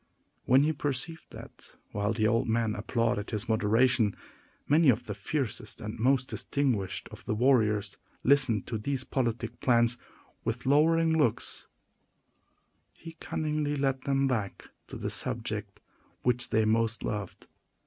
When he perceived that, while the old men applauded his moderation, many of the fiercest and most distinguished of the warriors listened to these politic plans with lowering looks, he cunningly led them back to the subject which they most loved.